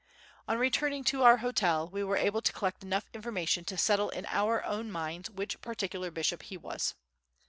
On returning to our hotel we were able to collect enough information to settle in our own minds which particular bishop he was.